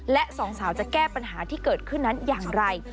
และสองสาวจะแก้ปัญหาที่เกิดขึ้นนั้นอย่างไร